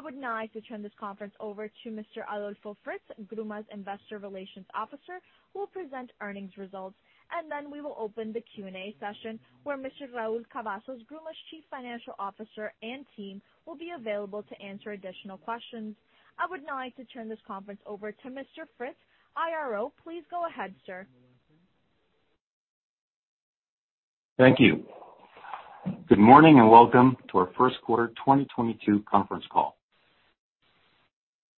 I would now like to turn this conference over to Mr. Adolfo Fritz, Gruma's Investor Relations Officer, who will present earnings results. We will open the Q&A session where Mr. Raul Cavazos, Gruma's Chief Financial Officer, and team will be available to answer additional questions. I would now like to turn this conference over to Mr. Fritz, IRO. Please go ahead, sir. Thank you. Good morning, and welcome to our First Quarter 2022 Conference Call.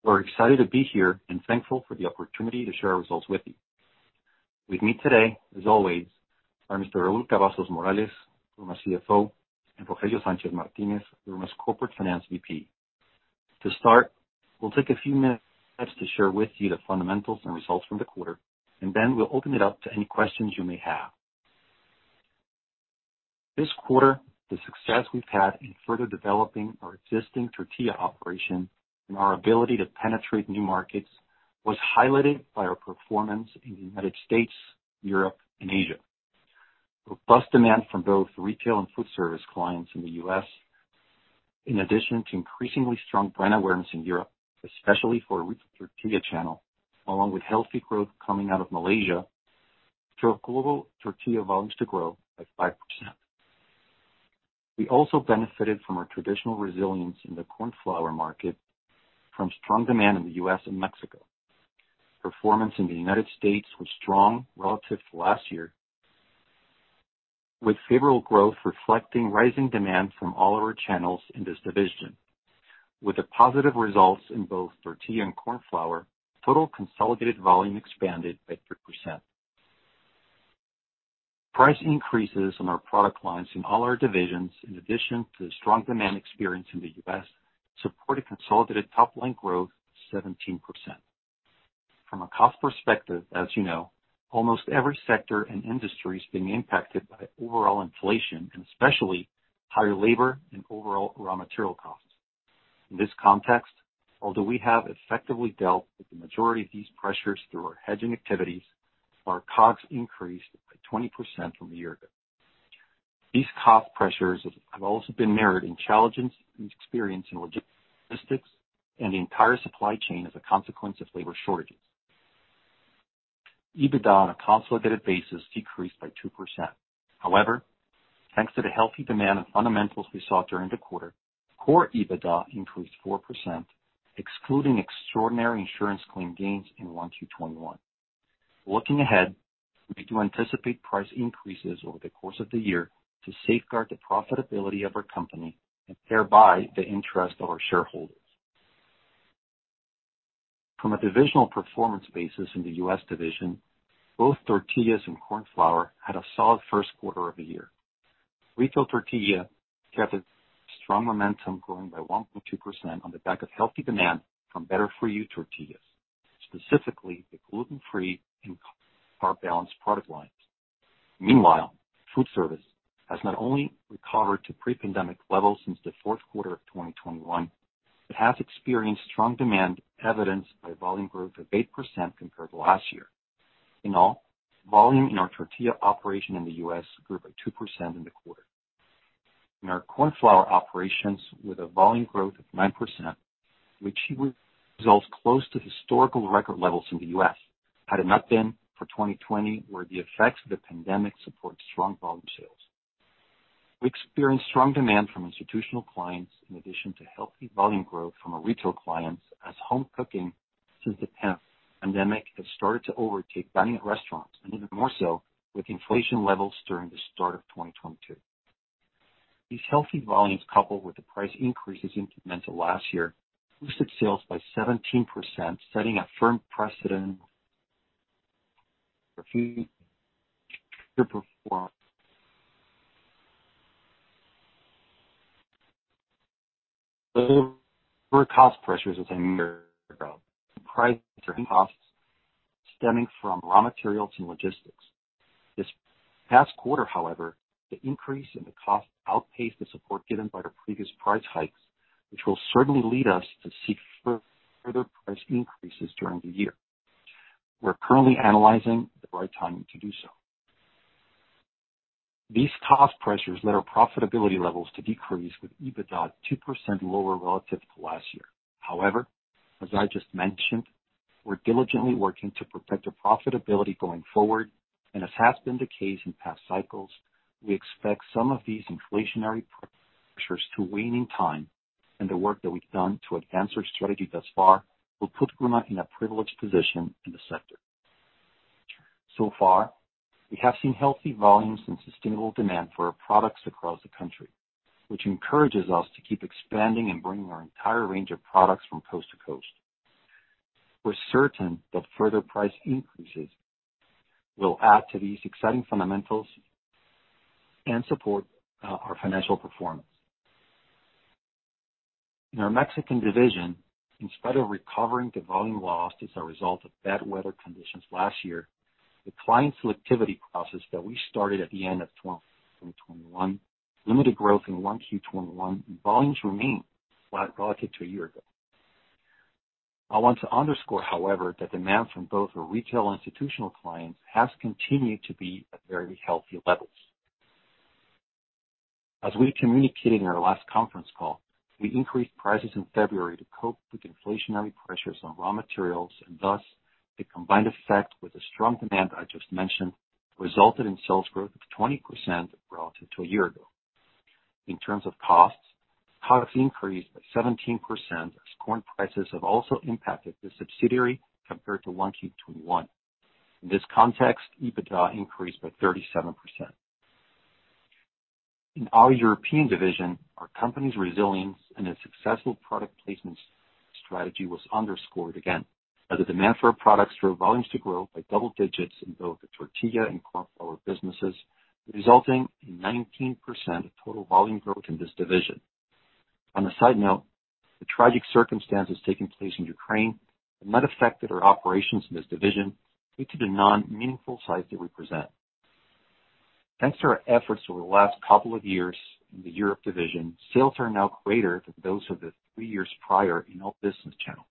We're excited to be here and thankful for the opportunity to share our results with you. With me today, as always, are Mr. Raúl Cavazos Morales, Gruma's CFO, and Rogelio Sánchez Martínez, Gruma's Corporate Finance VP. To start, we'll take a few minutes to share with you the fundamentals and results from the quarter, and then we'll open it up to any questions you may have. This quarter, the success we've had in further developing our existing tortilla operation and our ability to penetrate new markets was highlighted by our performance in the United States, Europe, and Asia. Robust demand from both retail and food service clients in the U.S., in addition to increasingly strong brand awareness in Europe, especially for retail tortilla channel, along with healthy growth coming out of Malaysia, drove global tortilla volumes to grow by 5%. We also benefited from our traditional resilience in the corn flour market from strong demand in the U.S. and Mexico. Performance in the United States was strong relative to last year, with favorable growth reflecting rising demand from all of our channels in this division. With the positive results in both tortilla and corn flour, total consolidated volume expanded by 3%. Price increases in our product lines in all our divisions, in addition to the strong demand experience in the U.S., supported consolidated top line growth of 17%. From a cost perspective, as you know, almost every sector and industry is being impacted by overall inflation and especially higher labor and overall raw material costs. In this context, although we have effectively dealt with the majority of these pressures through our hedging activities, our COGS increased by 20% from a year ago. These cost pressures have also been mirrored in challenges we've experienced in logistics and the entire supply chain as a consequence of labor shortages. EBITDA on a consolidated basis decreased by 2%. However, thanks to the healthy demand and fundamentals we saw during the quarter, core EBITDA increased 4%, excluding extraordinary insurance claim gains in 1Q 2021. Looking ahead, we do anticipate price increases over the course of the year to safeguard the profitability of our company and thereby the interest of our shareholders. From a divisional performance basis in the U.S. division, both tortillas and corn flour had a solid first quarter of the year. Retail tortilla kept a strong momentum, growing by 1.2% on the back of healthy demand from Better For You tortillas, specifically the gluten-free and Carb Balance product lines. Meanwhile, food service has not only recovered to pre-pandemic levels since the fourth quarter of 2021, it has experienced strong demand evidenced by volume growth of 8% compared to last year. In all, volume in our tortilla operation in the U.S. grew by 2% in the quarter. In our corn flour operations, with a volume growth of 9%, we achieved results close to historical record levels in the U.S., had it not been for 2020, where the effects of the pandemic supported strong volume sales. We experienced strong demand from institutional clients in addition to healthy volume growth from our retail clients as home cooking, since the pandemic, has started to overtake dining at restaurants, and even more so with inflation levels during the start of 2022. These healthy volumes, coupled with incremental price increases last year, boosted sales by 17%, setting a firm precedent for future performance. We expect lower cost pressures as they mirror the prices and costs stemming from raw materials and logistics. This past quarter, however, the increase in costs outpaced the support given by the previous price hikes, which will certainly lead us to seek further price increases during the year. We're currently analyzing the right timing to do so. These cost pressures led our profitability levels to decrease, with EBITDA 2% lower relative to last year. However, as I just mentioned, we're diligently working to protect the profitability going forward, and as has been the case in past cycles, we expect some of these inflationary pressures to wane in time, and the work that we've done to advance our strategy thus far will put Gruma in a privileged position in the sector. So far, we have seen healthy volumes and sustainable demand for our products across the country, which encourages us to keep expanding and bringing our entire range of products from coast to coast. We're certain that further price increases will add to these exciting fundamentals and support our financial performance. In our Mexican division, in spite of recovering the volume lost as a result of bad weather conditions last year, the client selectivity process that we started at the end of 2021 limited growth in 1Q 2021, and volumes remained flat relative to a year ago. I want to underscore, however, that demand from both our retail institutional clients has continued to be at very healthy levels. As we communicated in our last conference call, we increased prices in February to cope with inflationary pressures on raw materials, and thus the combined effect with the strong demand I just mentioned resulted in sales growth of 20% relative to a year ago. In terms of costs, COGS increased by 17% as corn prices have also impacted the subsidiary compared to 1Q 2021. In this context, EBITDA increased by 37%. In our European division, our company's resilience and its successful product placement strategy was underscored again as the demand for our products drove volumes to grow by double digits in both the tortilla and corn flour businesses, resulting in 19% total volume growth in this division. On a side note, the tragic circumstances taking place in Ukraine have not affected our operations in this division due to the non-meaningful size they represent. Thanks to our efforts over the last couple of years in the Europe division, sales are now greater than those of the three years prior in all business channels.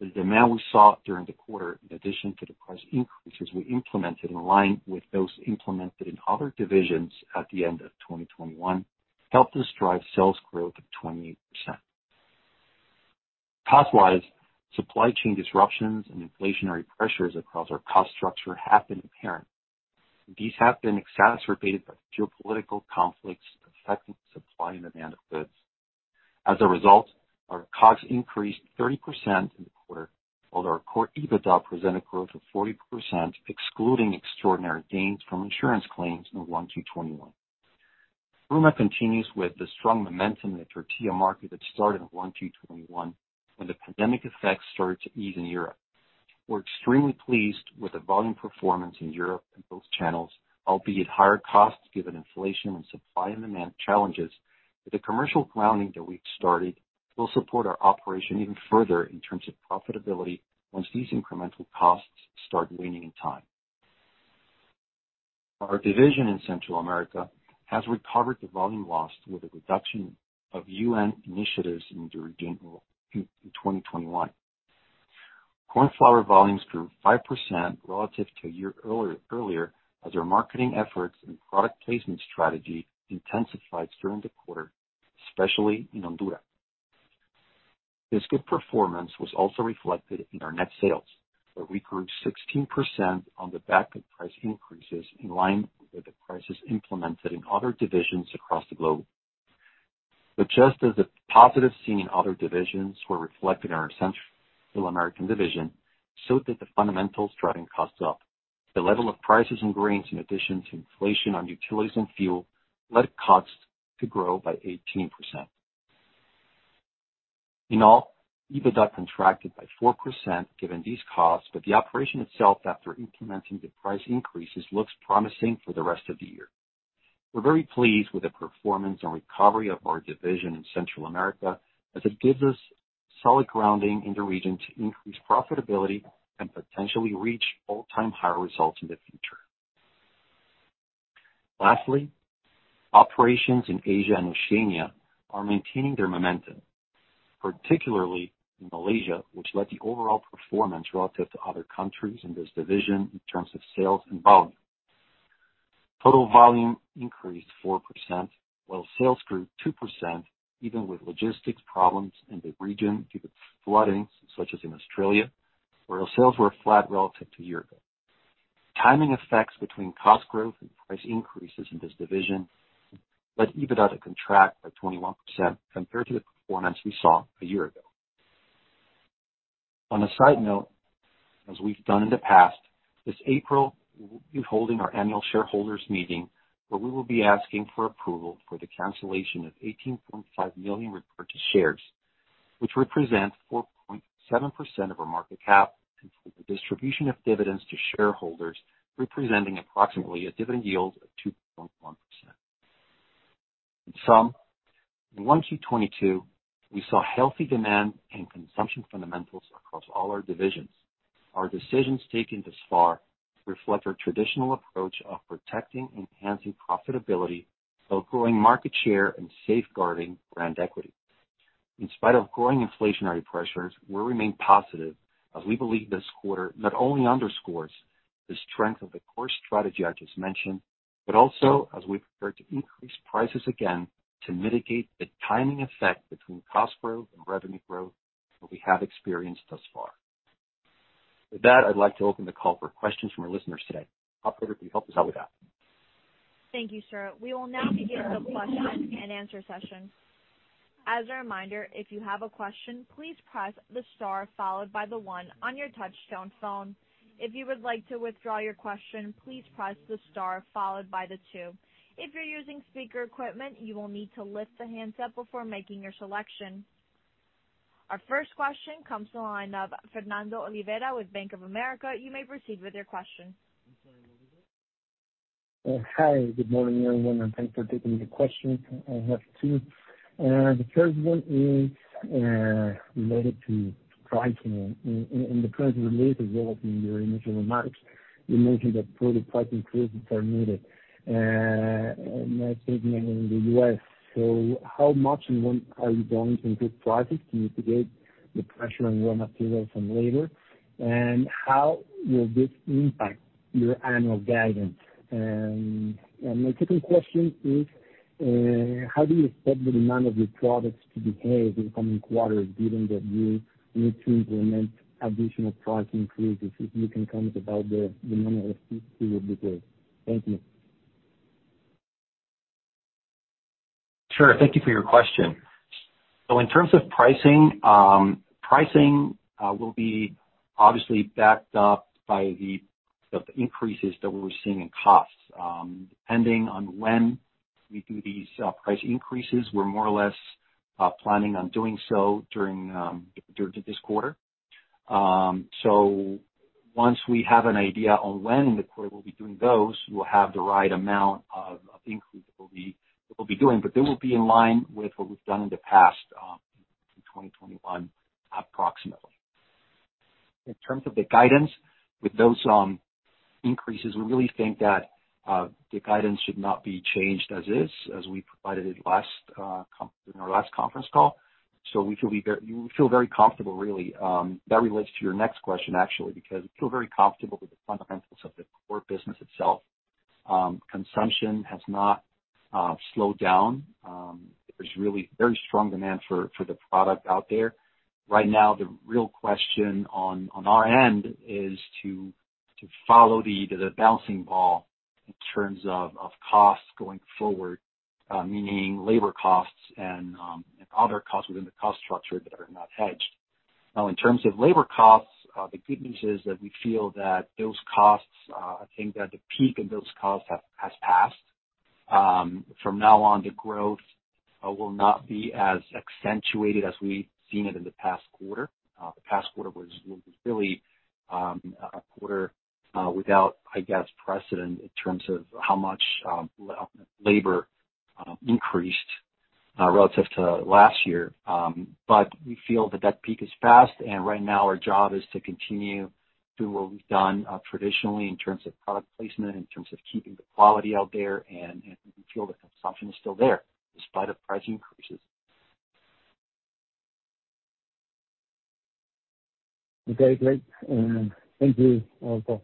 The demand we saw during the quarter, in addition to the price increases we implemented in line with those implemented in other divisions at the end of 2021, helped us drive sales growth of 28%. Cost-wise, supply chain disruptions and inflationary pressures across our cost structure have been apparent. These have been exacerbated by geopolitical conflicts affecting supply and demand of goods. As a result, our COGS increased 30% in the quarter, while our core EBITDA presented growth of 40% excluding extraordinary gains from insurance claims in 1Q 2021. Gruma continues with the strong momentum in the tortilla market that started in 1Q 2021 when the pandemic effect started to ease in Europe. We're extremely pleased with the volume performance in Europe in both channels, albeit higher costs given inflation and supply and demand challenges. The commercial grounding that we've started will support our operation even further in terms of profitability once these incremental costs start waning in time. Our division in Central America has recovered the volume lost with the reduction of UN initiatives in 2021. Corn flour volumes grew 5% relative to a year earlier as our marketing efforts and product placement strategy intensified during the quarter, especially in Honduras. This good performance was also reflected in our net sales, where we grew 16% on the back of price increases in line with the prices implemented in other divisions across the globe. Just as the positive seen in other divisions were reflected in our Central American division, so did the fundamentals driving costs up. The level of prices in grains, in addition to inflation on utilities and fuel, led costs to grow by 18%. In all, EBITDA contracted by 4% given these costs. The operation itself, after implementing the price increases, looks promising for the rest of the year. We're very pleased with the performance and recovery of our division in Central America as it gives us solid grounding in the region to increase profitability and potentially reach all-time high results in the future. Lastly, operations in Asia and Oceania are maintaining their momentum, particularly in Malaysia, which led the overall performance relative to other countries in this division in terms of sales and volume. Total volume increased 4%, while sales grew 2% even with logistics problems in the region due to floodings such as in Australia, where our sales were flat relative to a year ago. Timing effects between cost growth and price increases in this division led EBITDA to contract by 21% compared to the performance we saw a year ago. On a side note, as we've done in the past, this April we will be holding our annual shareholders meeting where we will be asking for approval for the cancellation of 18.5 million repurchase shares, which represent 4.7% of our market cap, and for the distribution of dividends to shareholders representing approximately a dividend yield of 2.1%. In sum, in 1Q 2022, we saw healthy demand and consumption fundamentals across all our divisions. Our decisions taken thus far reflect our traditional approach of protecting, enhancing profitability, while growing market share and safeguarding brand equity. In spite of growing inflationary pressures, we remain positive as we believe this quarter not only underscores the strength of the core strategy I just mentioned, but also as we prepare to increase prices again to mitigate the timing effect between cost growth and revenue growth that we have experienced thus far. With that, I'd like to open the call for questions from our listeners today. Operator, can you help us out with that? Thank you, sir. We will now begin the question and answer session. As a reminder, if you have a question, please press the star followed by the one on your touchtone phone. If you would like to withdraw your question, please press the star followed by the two. If you're using speaker equipment, you will need to lift the handset before making your selection. Our first question comes to the line of Fernando Olvera with Bank of America. You may proceed with your question. I'm sorry, Fernando. Hi, good morning, everyone, and thanks for taking the questions. I have two. The first one is related to pricing. In the presentation earlier, you all, in your initial remarks, you mentioned that further price increases are needed, especially in the U.S. How much more are you going to increase prices to mitigate the pressure on raw materials and labor, and how will this impact your annual guidance? My second question is, how do you expect the demand of your products to behave in the coming quarters, given that you need to implement additional price increases? If you can comment about the demand how it will behave. Thank you. Sure. Thank you for your question. In terms of pricing will be obviously backed up by the increases that we're seeing in costs. Depending on when we do these price increases, we're more or less planning on doing so during this quarter. Once we have an idea on when in the quarter we'll be doing those, we will have the right amount of increase that we'll be doing. They will be in line with what we've done in the past, in 2021, approximately. In terms of the guidance, with those increases, we really think that the guidance should not be changed as is, as we provided it last, in our last conference call. We feel very comfortable really. That relates to your next question, actually, because we feel very comfortable with the fundamentals of the core business itself. Consumption has not slowed down. There's really very strong demand for the product out there. Right now, the real question on our end is to follow the bouncing ball in terms of costs going forward, meaning labor costs and other costs within the cost structure that are not hedged. Now, in terms of labor costs, the good news is that we feel that those costs. I think that the peak in those costs has passed. From now on, the growth will not be as accentuated as we've seen it in the past quarter. The past quarter was really a quarter without, I guess, precedent in terms of how much labor increased relative to last year. But we feel that that peak has passed, and right now our job is to continue doing what we've done traditionally in terms of product placement, in terms of keeping the quality out there, and we feel the consumption is still there despite the price increases. Okay, great. Thank you. All done.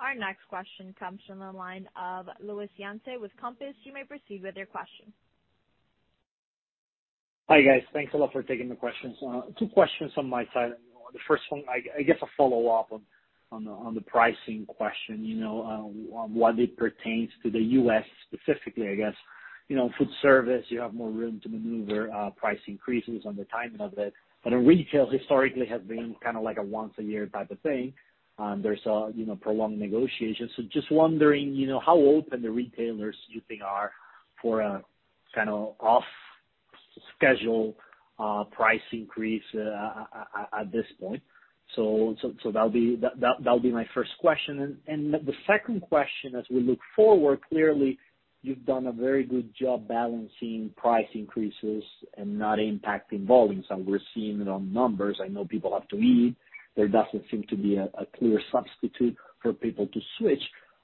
Our next question comes from the line of Luis Yance with Compass. You may proceed with your question. Hi, guys. Thanks a lot for taking the questions. Two questions on my side. The first one, I guess a follow-up on the pricing question, you know, on what it pertains to the US specifically, I guess. You know, food service, you have more room to maneuver price increases and the timing of that. But in retail, historically, has been kinda like a once a year type of thing. There's, you know, prolonged negotiations. Just wondering, you know, how open the retailers you think are for a kinda off schedule price increase at this point. That'll be my first question. The second question, as we look forward, clearly you've done a very good job balancing price increases and not impacting volumes, and we're seeing it on numbers. I know people have to eat. There doesn't seem to be a clear substitute for people to switch.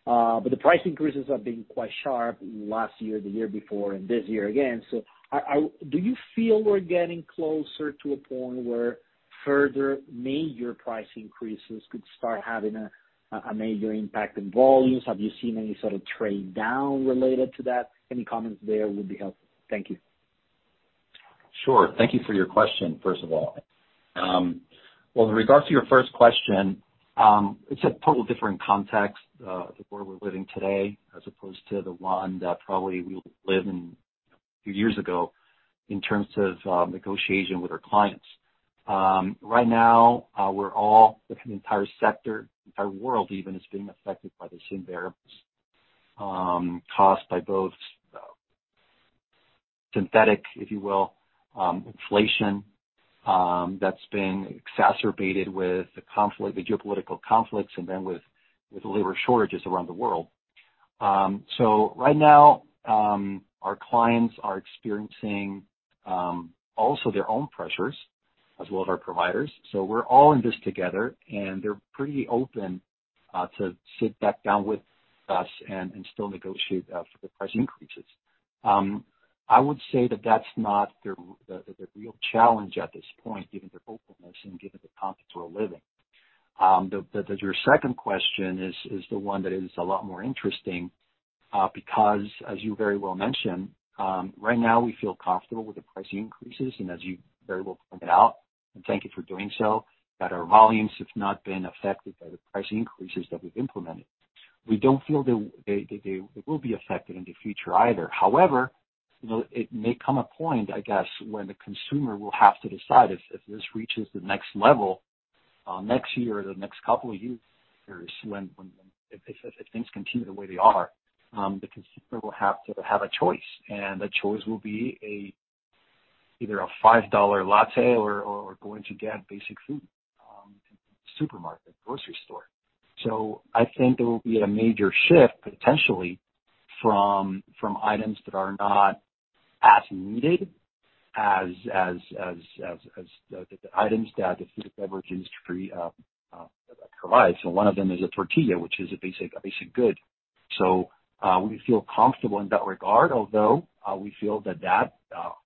The price increases have been quite sharp last year, the year before and this year again. Do you feel we're getting closer to a point where further major price increases could start having a major impact in volumes? Have you seen any sort of trade down related to that? Any comments there would be helpful. Thank you. Sure. Thank you for your question, first of all. Well, with regards to your first question, it's a totally different context, the world we're living in today as opposed to the one that probably we lived in a few years ago in terms of negotiation with our clients. Right now, we're all, the entire sector, the entire world even, is being affected by the same variables caused by both synthetic, if you will, inflation that's been exacerbated with the conflict, the geopolitical conflicts and then with labor shortages around the world. Right now, our clients are experiencing also their own pressures as well as our providers. We're all in this together and they're pretty open to sit back down with us and still negotiate for the price increases. I would say that that's not the real challenge at this point, given their openness and given the times that we're living. Your second question is the one that is a lot more interesting, because as you very well mentioned, right now we feel comfortable with the price increases and as you very well pointed out, and thank you for doing so, that our volumes have not been affected by the price increases that we've implemented. We don't feel that they will be affected in the future either. However, you know, it may come a point, I guess, when the consumer will have to decide if this reaches the next level next year or the next couple of years when if things continue the way they are, the consumer will have to have a choice. The choice will be either a $5 latte or going to get basic food supermarket, grocery store. I think there will be a major shift potentially from items that are not as needed as the items that the food and beverage industry provides. One of them is a tortilla, which is a basic good. We feel comfortable in that regard, although we feel that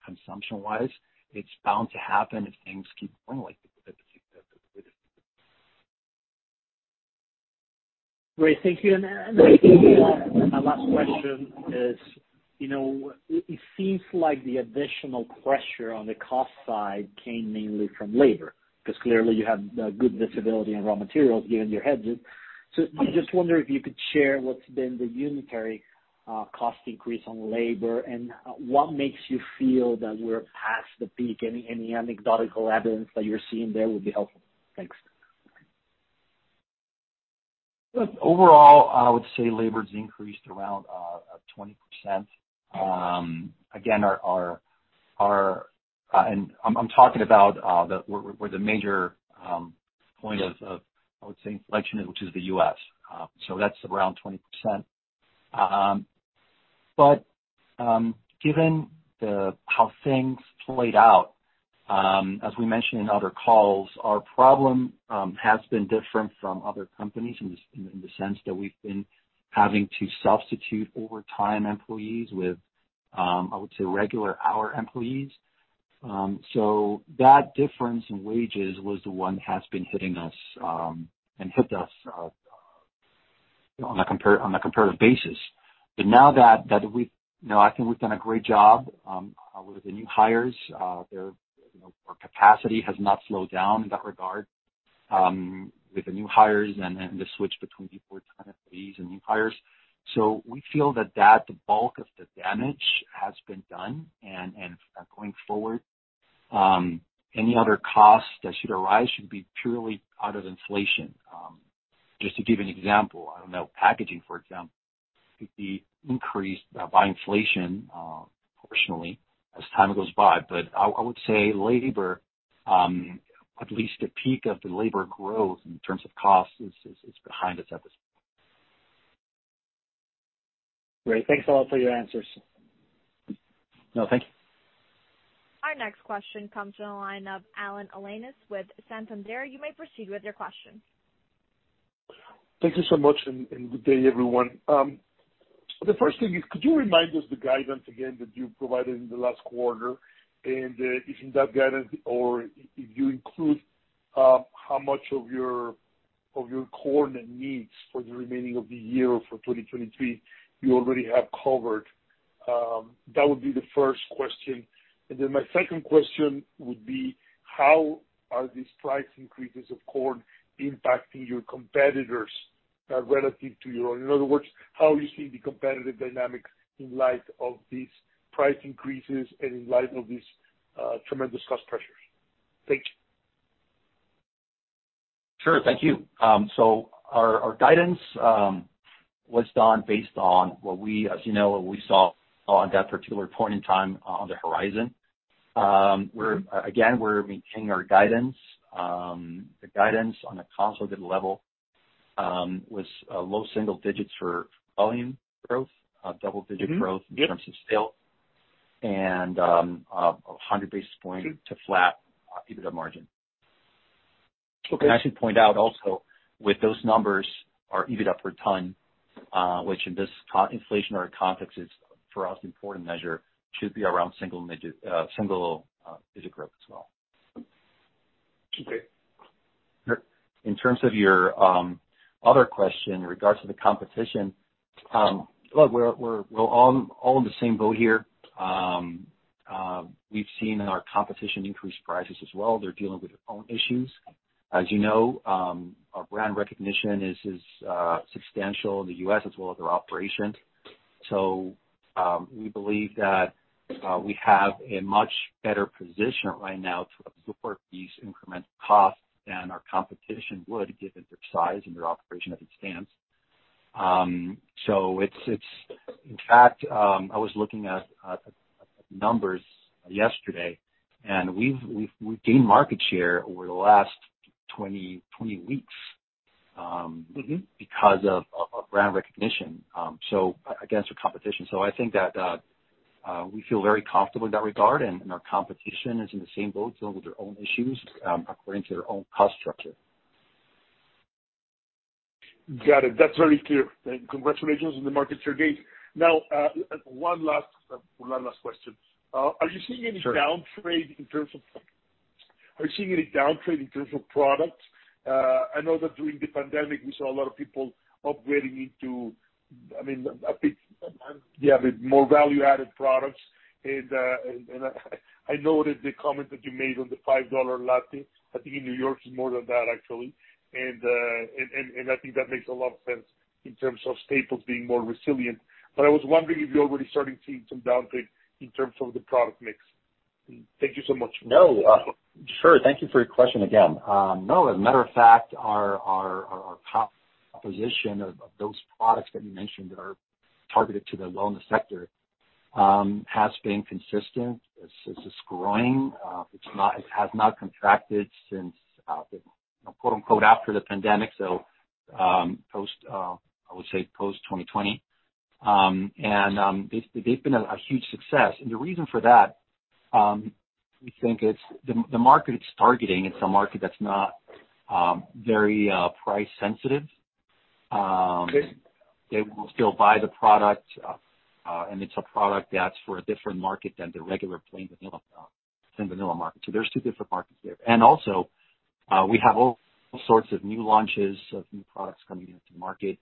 consumption-wise, it's bound to happen if things keep going like. Great. Thank you. I think my last question is, you know, it seems like the additional pressure on the cost side came mainly from labor, because clearly you have good visibility in raw materials given your hedges. I just wonder if you could share what's been the unitary cost increase on labor and what makes you feel that we're past the peak. Any anecdotal evidence that you're seeing there would be helpful. Thanks. Look, overall, I would say labor's increased around 20%. Again, I'm talking about where the major point of I would say inflation is, which is the U.S. So that's around 20%. Given how things played out, as we mentioned in other calls, our problem has been different from other companies in the sense that we've been having to substitute overtime employees with I would say regular hour employees. So that difference in wages was the one that has been hitting us and hit us, you know, on a comparative basis. Now that we, you know, I think we've done a great job with the new hires. There, you know, our capacity has not slowed down in that regard, with the new hires and the switch between the overtime employees and new hires. We feel that the bulk of the damage has been done and going forward, any other costs that should arise should be purely out of inflation. Just to give an example, I don't know, packaging, for example, could be increased by inflation proportionally as time goes by. I would say labor, at least the peak of the labor growth in terms of cost is behind us at this point. Great. Thanks a lot for your answers. No, thank you. Our next question comes from the line of Alan Alanis with Santander. You may proceed with your question. Thank you so much and good day, everyone. The first thing is, could you remind us the guidance again that you provided in the last quarter? If in that guidance or if you include how much of your corn needs for the remaining of the year for 2023 you already have covered? That would be the first question. Then my second question would be, how are these price increases of corn impacting your competitors relative to your own? In other words, how are you seeing the competitive dynamics in light of these price increases and in light of these tremendous cost pressures? Thank you. Sure. Thank you. Our guidance was done based on what we saw, as you know, on that particular point in time on the horizon. We're maintaining our guidance. The guidance on a consolidated level was low single digits for volume growth, double-digit growth. Mm-hmm. Yep... in terms of sales and, 100 basis points to flat EBITDA margin. Okay. I should point out also with those numbers, our EBITDA per ton, which in this inflationary context is for us important measure, should be around single-digit growth as well. Okay. In terms of your other question in regards to the competition, look, we're all in the same boat here. We've seen our competition increase prices as well. They're dealing with their own issues. As you know, our brand recognition is substantial in the U.S. as well as our operations. So, we believe that we have a much better position right now to absorb these incremental costs than our competition would given their size and their operation as it stands. So, in fact, I was looking at the numbers yesterday and we've gained market share over the last 20 weeks. Mm-hmm because of brand recognition against the competition. I think that we feel very comfortable in that regard and our competition is in the same boat, dealing with their own issues, according to their own cost structure. Got it. That's very clear. Congratulations on the market share gains. Now, one last question. Are you seeing any- Sure. Are you seeing any down trade in terms of products? I know that during the pandemic, we saw a lot of people upgrading into, I mean, more value-added products. I noted the comment that you made on the $5 latte. I think in New York it's more than that actually. I think that makes a lot of sense in terms of staples being more resilient. I was wondering if you're already starting to see some down trade in terms of the product mix. Thank you so much. No, sure. Thank you for your question again. No, as a matter of fact, our top position of those products that you mentioned that are targeted to the wellness sector has been consistent. It's growing. It's not, it has not contracted since, you know, quote-unquote, "After the pandemic." So, post, I would say post-2020. And, they've been a huge success. And the reason for that, we think it's the market it's targeting, it's a market that's not very price sensitive. They will still buy the product, and it's a product that's for a different market than the regular plain vanilla than vanilla market. So there's two different markets there. And also, we have all sorts of new launches of new products coming into the market.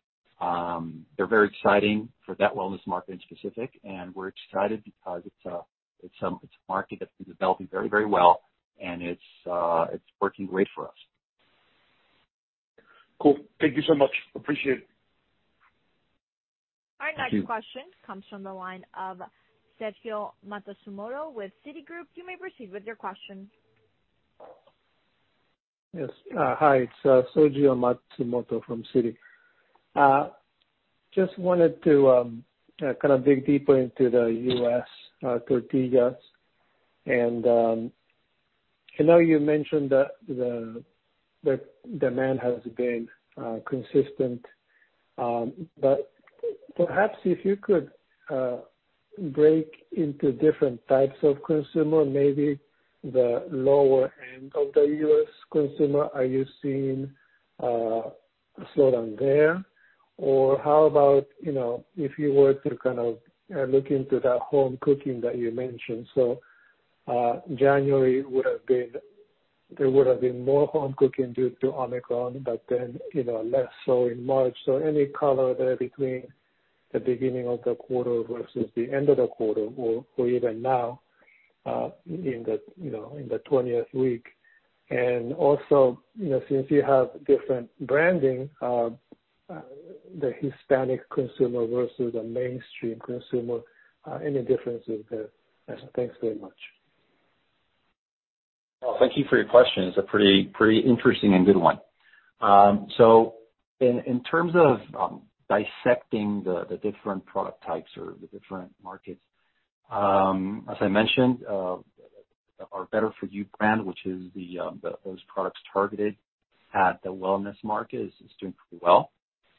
They're very exciting for that wellness market in specific, and we're excited because it's a market that's been developing very, very well and it's working great for us. Cool. Thank you so much. Appreciate it. Our next question comes from the line of Sergio Matsumoto with Citigroup. You may proceed with your question. Yes. Hi, it's Sergio Matsumoto from Citi. Just wanted to kind of dig deeper into the U.S. tortillas. I know you mentioned that the demand has been consistent. Perhaps if you could break into different types of consumer, maybe the lower end of the U.S. consumer. Are you seeing a slowdown there? Or how about, you know, if you were to kind of look into that home cooking that you mentioned. There would have been more home cooking due to Omicron, but then, you know, less so in March. Any color there between the beginning of the quarter versus the end of the quarter or even now in the twentieth week. you know, since you have different branding, the Hispanic consumer versus the mainstream consumer, any difference there? Thanks very much. Well, thank you for your question. It's a pretty interesting and good one. So in terms of dissecting the different product types or the different markets. As I mentioned, our Better For You brand, which is those products targeted at the wellness market, is doing pretty well.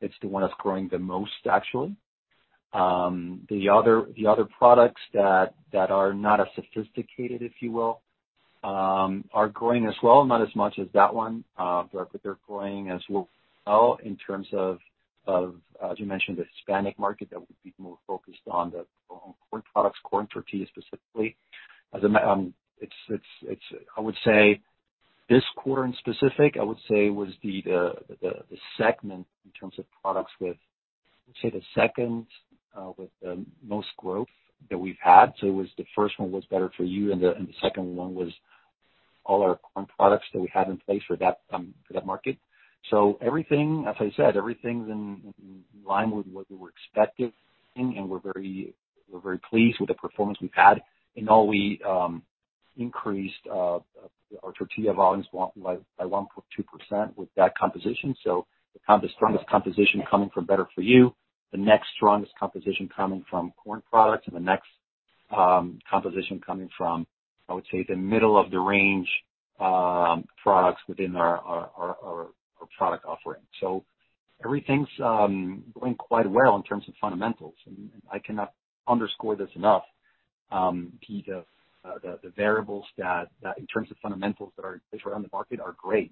It's the one that's growing the most actually. The other products that are not as sophisticated, if you will, are growing as well, not as much as that one, but they're growing as well. In terms of, as you mentioned, the Hispanic market that would be more focused on the corn products, corn tortillas specifically. I would say this quarter in specific was the segment in terms of products with, say, the second with the most growth that we've had. It was the first one was Better For You and the second one was all our corn products that we had in place for that market. Everything, as I said, everything's in line with what we were expecting and we're very pleased with the performance we've had. In all, we increased our tortilla volumes by 1.2% with that composition. The strongest composition coming from Better For You, the next strongest composition coming from corn products, and the next composition coming from, I would say, the middle of the range, products within our product offering. Everything's going quite well in terms of fundamentals. I cannot underscore this enough, the variables that in terms of fundamentals that are around the market are great.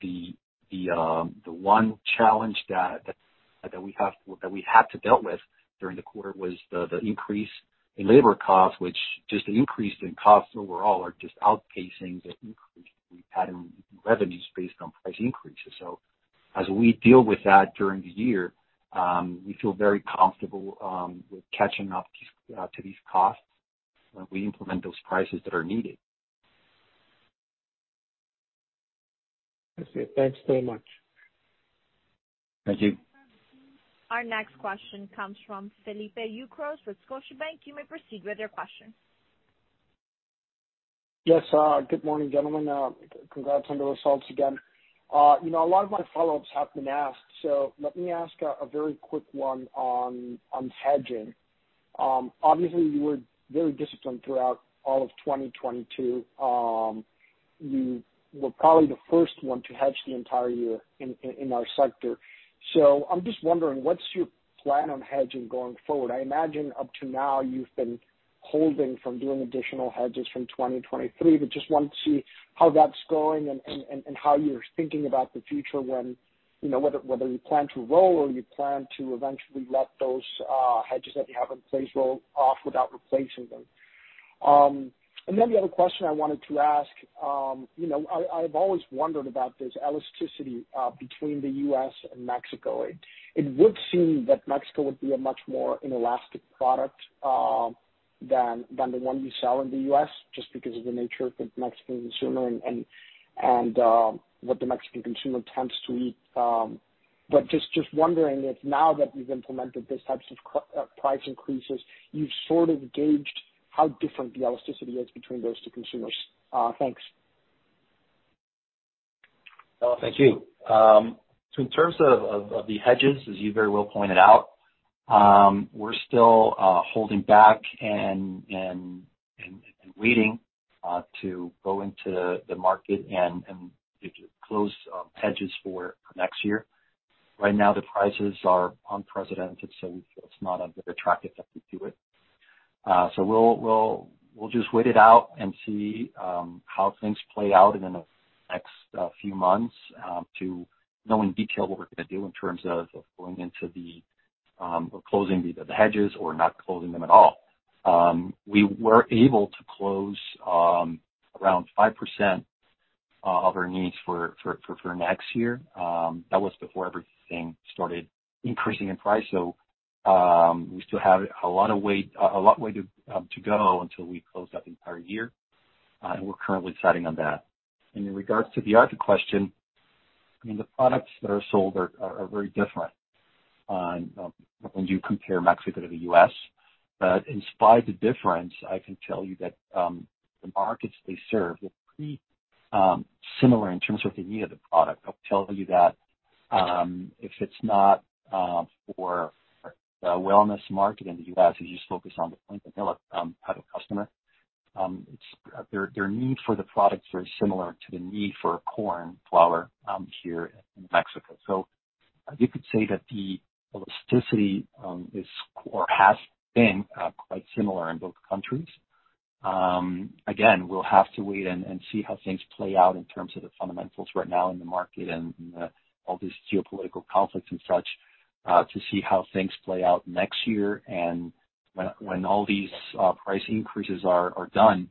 The one challenge that we have, that we had to dealt with during the quarter was the increase in labor costs, which just the increase in costs overall are just outpacing the increase we've had in revenues based on price increases. As we deal with that during the year, we feel very comfortable with catching up to these costs when we implement those prices that are needed. I see. Thanks very much. Thank you. Our next question comes from Felipe Ucros with Scotiabank. You may proceed with your question. Yes. Good morning, gentlemen. Congrats on the results again. You know, a lot of my follow-ups have been asked, so let me ask a very quick one on hedging. Obviously you were very disciplined throughout all of 2022. You were probably the first one to hedge the entire year in our sector. So I'm just wondering what's your plan on hedging going forward? I imagine up to now you've been holding from doing additional hedges from 2023, but I just want to see how that's going and how you're thinking about the future when, you know, whether you plan to roll or you plan to eventually let those hedges that you have in place roll off without replacing them. The other question I wanted to ask, you know, I've always wondered about this elasticity between the U.S. and Mexico. It would seem that Mexico would be a much more inelastic product than the one you sell in the U.S., just because of the nature of the Mexican consumer and what the Mexican consumer tends to eat. Just wondering if now that you've implemented these types of price increases, you've sort of gauged how different the elasticity is between those two consumers. Thanks. No, thank you. In terms of the hedges, as you very well pointed out, we're still holding back and waiting to go into the market and to close hedges for next year. Right now the prices are unprecedented, so it's not very attractive that we do it. We'll just wait it out and see how things play out in the next few months to know in detail what we're gonna do in terms of going into them or closing the hedges or not closing them at all. We were able to close around 5% of our needs for next year. That was before everything started increasing in price. We still have a long way to go until we close out the entire year. We're currently deciding on that. In regards to the other question, I mean, the products that are sold are very different when you compare Mexico to the U.S. In spite of the difference, I can tell you that the markets they serve are pretty similar in terms of the need of the product. I'll tell you that if it's not for the wellness market in the U.S., if you focus on the point of view of type of customer, it's their need for the product is very similar to the need for corn flour here in Mexico. You could say that the elasticity is or has been quite similar in both countries. Again, we'll have to wait and see how things play out in terms of the fundamentals right now in the market and all these geopolitical conflicts and such to see how things play out next year. When all these price increases are done,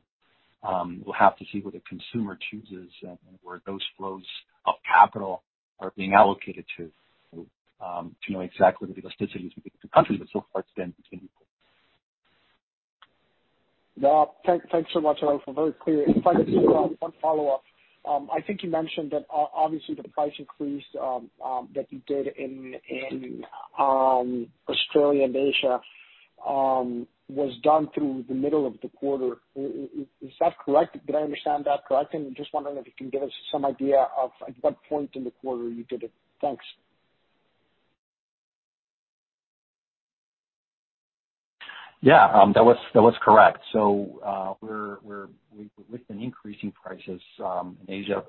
we'll have to see what the consumer chooses and where those flows of capital are being allocated to to know exactly the elasticities between the two countries, but so far it's been between equal. Well, thanks so much, Adolfo. Very clear. If I could, one follow-up. I think you mentioned that obviously the price increase that you did in Australia and Asia was done through the middle of the quarter. Is that correct? Did I understand that correctly? Just wondering if you can give us some idea of at what point in the quarter you did it. Thanks. Yeah. That was correct. We've been increasing prices in Asia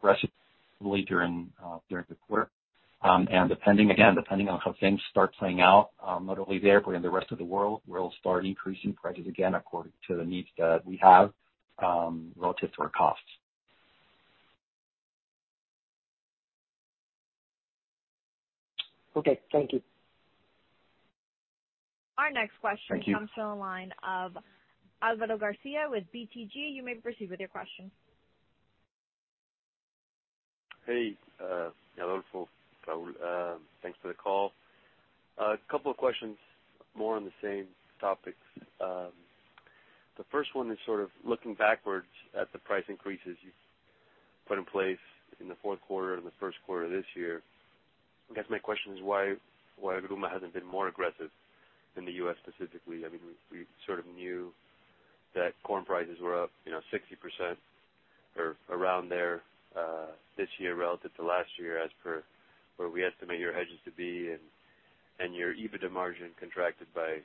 aggressively during the quarter. Depending again on how things start playing out, not only there, but in the rest of the world, we'll start increasing prices again according to the needs that we have relative to our costs. Okay, thank you. Our next question. Thank you. Comes from the line of Alvaro Garcia with BTG. You may proceed with your question. Hey, Adolfo, Raul, thanks for the call. A couple of questions more on the same topics. The first one is sort of looking backwards at the price increases you've put in place in the fourth quarter and the first quarter this year. I guess my question is why Gruma hasn't been more aggressive in the U.S. specifically? I mean, we sort of knew that corn prices were up, you know, 60% or around there, this year relative to last year as per where we estimate your hedges to be and your EBITDA margin contracted by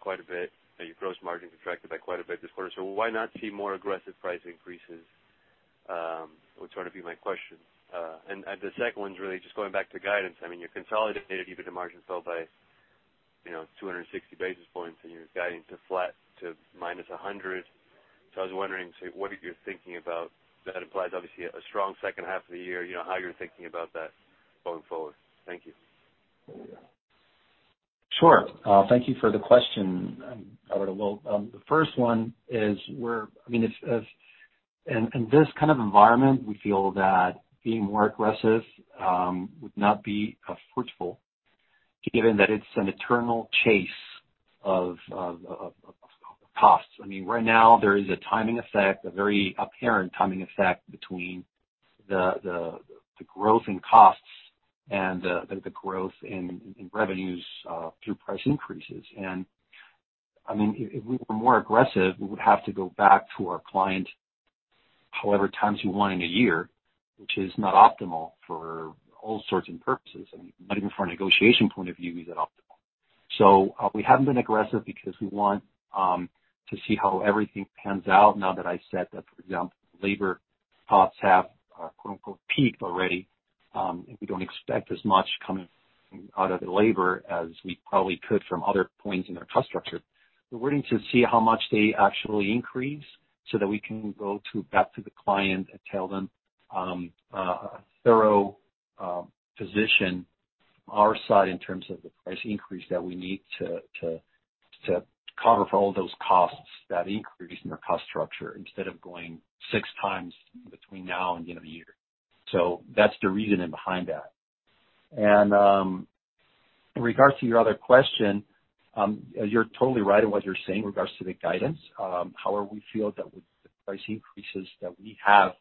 quite a bit, and your gross margin contracted by quite a bit this quarter. Why not see more aggressive price increases would sort of be my question. And the second one's really just going back to guidance. I mean, your consolidated EBITDA margin fell by, you know, 260 basis points and you're guiding to flat to minus 100. I was wondering, so what are you thinking about that implies obviously a strong second half of the year, you know, how you're thinking about that going forward. Thank you. Sure. Thank you for the question, Alvaro. Well, the first one is I mean, if. In this kind of environment, we feel that being more aggressive would not be fruitful given that it's an eternal chase of costs. I mean, right now there is a timing effect, a very apparent timing effect between the growth in costs and the growth in revenues through price increases. I mean, if we were more aggressive, we would have to go back to our client however many times we want in a year, which is not optimal for all sorts and purposes, and not even from a negotiation point of view is it optimal. We haven't been aggressive because we want to see how everything pans out now that I said that, for example, labor costs have quote-unquote "peaked already" and we don't expect as much coming out of the labor as we probably could from other points in our cost structure. We're waiting to see how much they actually increase so that we can go back to the client and tell them a thorough position on our side in terms of the price increase that we need to cover for all those costs, that increase in our cost structure, instead of going six times between now and the end of the year. That's the reasoning behind that. In regards to your other question, you're totally right in what you're saying with regards to the guidance. However, we feel that with the price increases that we have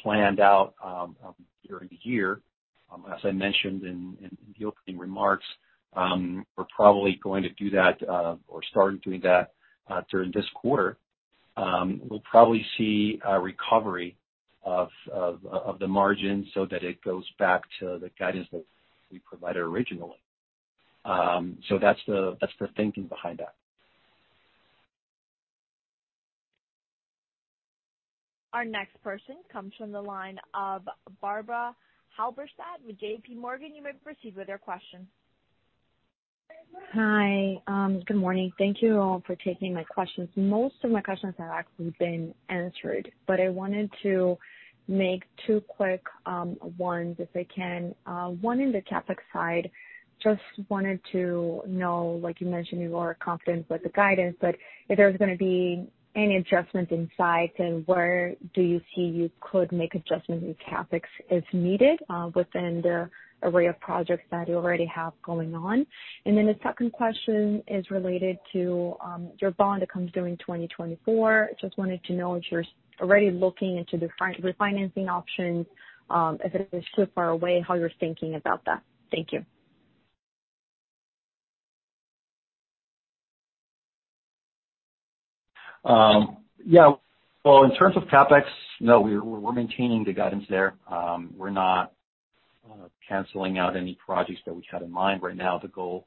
planned out during the year, as I mentioned in the opening remarks, we're probably going to do that or started doing that during this quarter. We'll probably see a recovery of the margin so that it goes back to the guidance that we provided originally. That's the thinking behind that. Our next person comes from the line of Barbara Halberstadt with JPMorgan. You may proceed with your question. Hi. Good morning. Thank you all for taking my questions. Most of my questions have actually been answered, but I wanted to make two quick ones if I can. One in the CapEx side, just wanted to know, like you mentioned, you are confident with the guidance, but if there's gonna be any adjustments in size and where do you see you could make adjustments in CapEx as needed, within the array of projects that you already have going on. Then the second question is related to your bond that comes due in 2024. Just wanted to know if you're already looking into different refinancing options, if it is too far away, how you're thinking about that. Thank you. Yeah. Well, in terms of CapEx, no, we're maintaining the guidance there. We're not canceling out any projects that we had in mind right now. The goal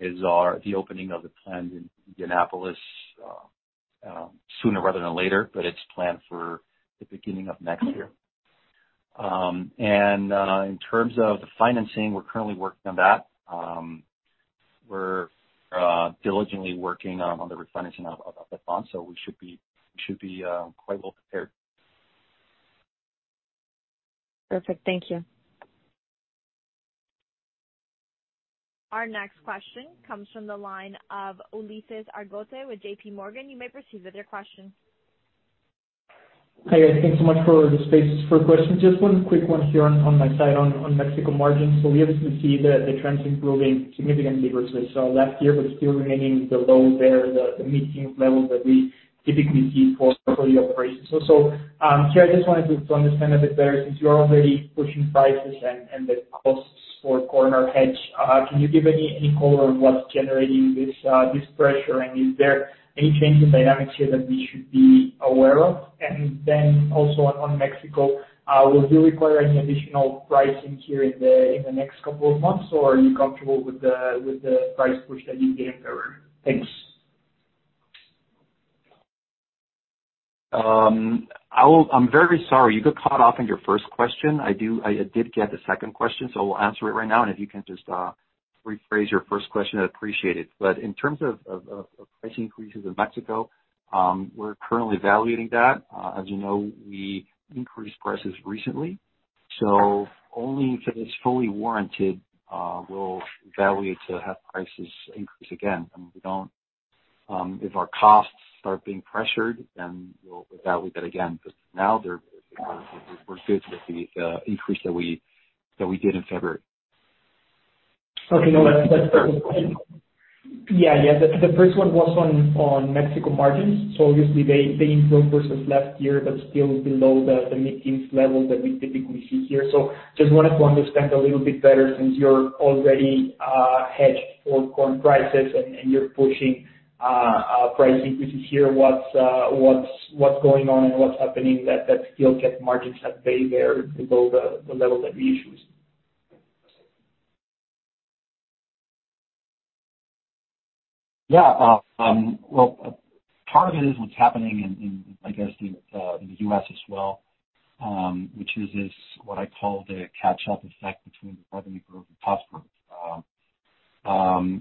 is the opening of the plant in Indianapolis sooner rather than later, but it's planned for the beginning of next year. In terms of the financing, we're currently working on that. We're diligently working on the refinancing of the bonds, so we should be quite well prepared. Perfect. Thank you. Our next question comes from the line of Ulises Argote with JPMorgan. You may proceed with your question. Hi guys, thanks so much for the space for questions. Just one quick one here on my side on Mexico margins. We obviously see the trends improving significantly versus last year, but still remaining below the mid-teens level that we typically see for the operations. I just wanted to understand a bit better since you're already pushing prices and the costs for corn hedge. Can you give any color on what's generating this pressure? And is there any change in dynamics here that we should be aware of? And then also on Mexico, will you require any additional pricing here in the next couple of months, or are you comfortable with the price push that you gave in February? Thanks. I'm very sorry. You got cut off in your first question. I did get the second question, so I will answer it right now, and if you can just rephrase your first question, I'd appreciate it. In terms of price increases in Mexico, we're currently evaluating that. As you know, we increased prices recently, so only if it is fully warranted, we'll evaluate to have prices increase again. We don't if our costs start being pressured, then we'll evaluate that again. Now we're good with the increase that we did in February. The first one was on Mexico margins, so obviously they improved versus last year but still below the mid-teens level that we typically see here. Just wanted to understand a little bit better since you're already hedged for corn prices and you're pushing price increases here, what's going on and what's happening that still kept margins that way there below the level that we usually see? Yeah. Well, part of it is what's happening in I guess in the U.S. as well, which is this what I call the catch-up effect between the revenue growth and cost growth.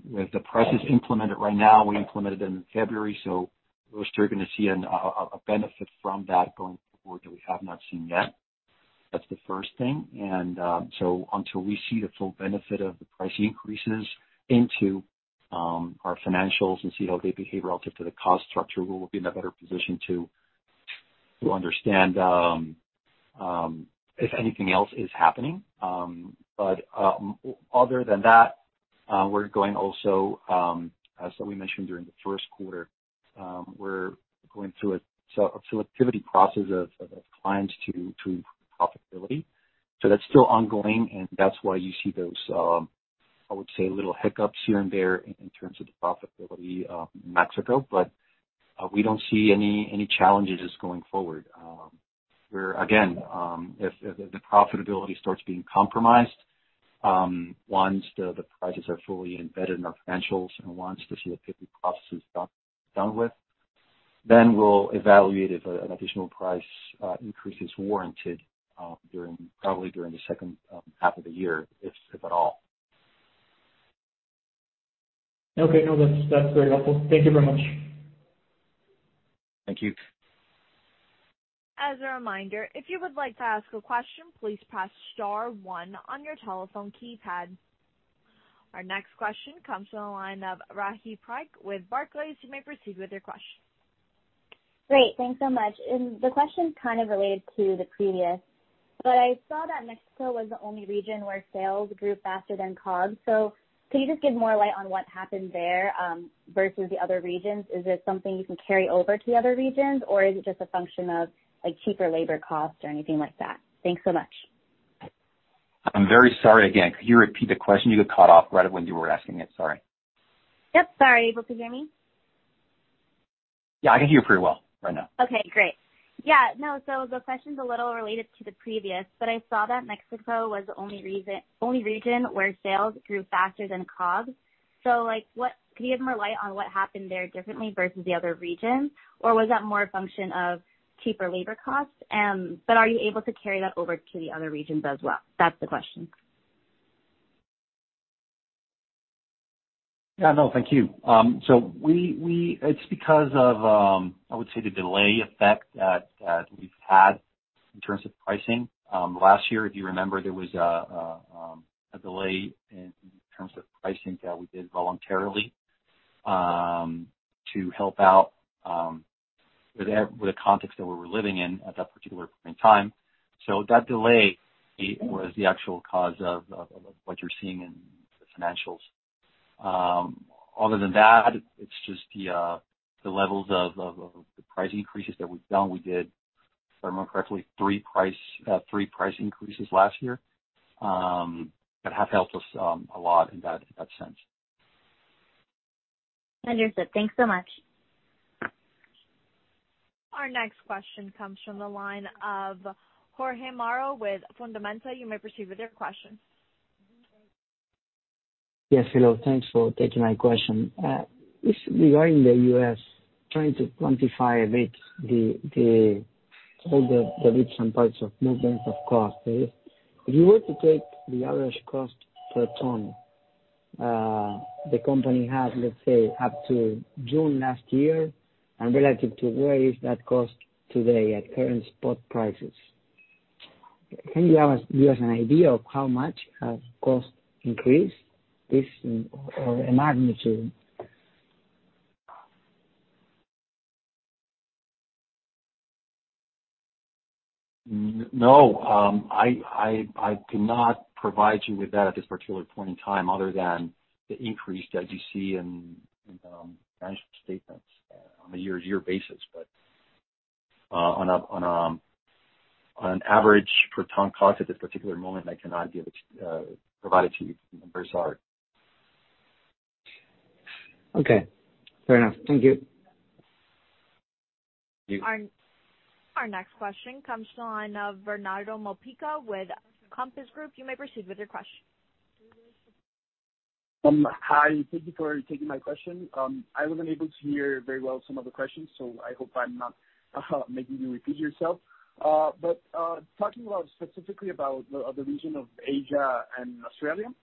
With the prices implemented right now, we implemented in February, so we're still gonna see a benefit from that going forward that we have not seen yet. That's the first thing. Until we see the full benefit of the price increases into our financials and see how they behave relative to the cost structure, we will be in a better position to understand if anything else is happening. Other than that, we're going also, as we mentioned during the first quarter, we're going through a selectivity process of clients to profitability. That's still ongoing, and that's why you see those, I would say, little hiccups here and there in terms of the profitability in Mexico. We don't see any challenges going forward. We're again, if the profitability starts being compromised, once the prices are fully embedded in our financials and once the selectivity process is done with, then we'll evaluate if an additional price increase is warranted, during, probably during the second half of the year, if at all. Okay. No, that's very helpful. Thank you very much. Thank you. As a reminder, if you would like to ask a question, please press star one on your telephone keypad. Our next question comes from the line of Rahi Parikh with Barclays. You may proceed with your question. Great. Thanks so much. The question's kind of related to the previous, but I saw that Mexico was the only region where sales grew faster than COGS. Can you just shed more light on what happened there versus the other regions? Is it something you can carry over to the other regions, or is it just a function of, like, cheaper labor costs or anything like that? Thanks so much. I'm very sorry again. Could you repeat the question? You got cut off right when you were asking it. Sorry. Yep. Sorry. Able to hear me? Yeah, I can hear pretty well right now. Okay, great. Yeah, no. The question's a little related to the previous, but I saw that Mexico was the only region where sales grew faster than COGS. Like what can you give more light on what happened there differently versus the other regions? Was that more a function of cheaper labor costs? Are you able to carry that over to the other regions as well? That's the question. Yeah. No, thank you. It's because of, I would say the delay effect that we've had in terms of pricing. Last year, if you remember, there was a delay in terms of pricing that we did voluntarily to help out with the context that we're living in at that particular point in time. That delay was the actual cause of what you're seeing in the financials. Other than that, it's just the levels of the price increases that we've done. We did, if I remember correctly, three price increases last year that have helped us a lot in that sense. Understood. Thanks so much. Our next question comes from the line of Jorge Mauro with Fundamenta. You may proceed with your question. Yes, hello. Thanks for taking my question. This is regarding the U.S., trying to quantify a bit all the bits and parts of movements, of course. If you were to take the average cost per ton the company has, let's say, up to June last year and relative to where is that cost today at current spot prices. Can you give us an idea of how much has cost increased this or a magnitude? No, I cannot provide you with that at this particular point in time other than the increase that you see in financial statements on a year-to-year basis. On average per ton cost at this particular moment, I cannot give it, provide it to you. The numbers are. Okay, fair enough. Thank you. You- Our next question comes from the line of Bernardo Mopica with Compass Group. You may proceed with your question. Hi. Thank you for taking my question. I was unable to hear very well some of the questions, so I hope I'm not making you repeat yourself. Talking specifically about the region of Asia and Australia,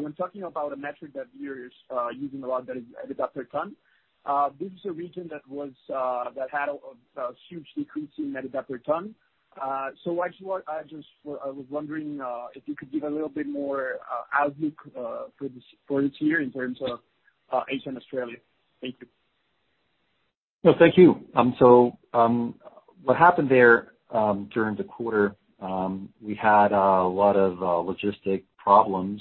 when talking about a metric that you're using a lot that is EBITDA per ton, this is a region that had a huge decrease in EBITDA per ton. Actually, I was wondering if you could give a little bit more outlook for this year in terms of Asia and Australia. Thank you. No, thank you. What happened there during the quarter, we had a lot of logistic problems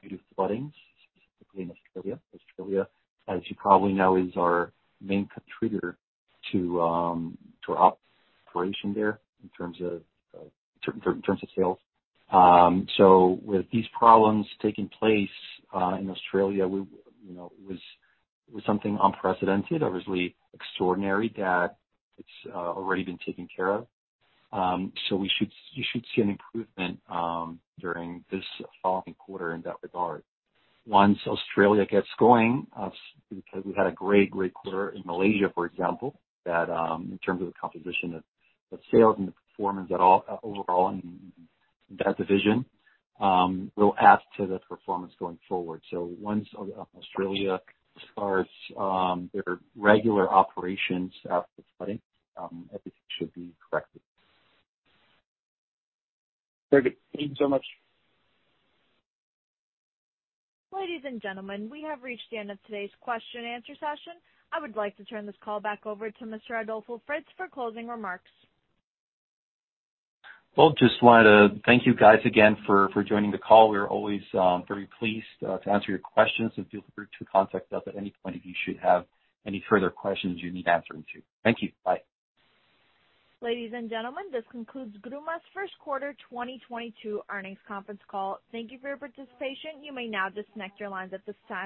due to floodings, specifically in Australia. Australia, as you probably know, is our main contributor to our operation there in terms of sales. With these problems taking place in Australia, you know, it was something unprecedented, obviously extraordinary that it's already been taken care of. You should see an improvement during this following quarter in that regard. Once Australia gets going, because we've had a great quarter in Malaysia, for example, that in terms of the composition of sales and the performance overall in that division will add to the performance going forward. Once Australia starts their regular operations after the flooding, everything should be corrected. Very good. Thank you so much. Ladies and gentlemen, we have reached the end of today's question and answer session. I would like to turn this call back over to Mr. Adolfo Fritz for closing remarks. Well, just wanted to thank you guys again for joining the call. We are always very pleased to answer your questions, and feel free to contact us at any point if you should have any further questions you need answering to. Thank you. Bye. Ladies and gentlemen, this concludes Gruma's first quarter 2022 earnings conference call. Thank you for your participation. You may now disconnect your lines at this time.